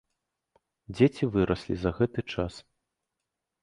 Дзеці выраслі за гэты час.